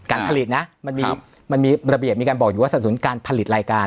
การผลิตนะครับมันมีมันมีระเบียบมีการบอกอยู่ว่าสนุนการผลิตรายการ